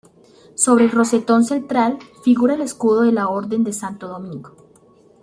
Sobre el rosetón central figura el escudo de la orden de Santo Domingo.